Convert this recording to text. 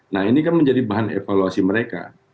nah ini kan menjadi bahan evaluasi mereka